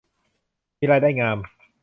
มีรายได้งาม